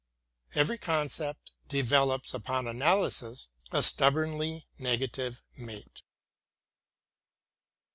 Every concept develops, upon analysis, a stubbornly negative mate.